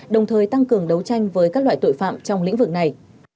đồng thời tăng cường đấu tranh với các loại tội phạm trong lĩnh vực này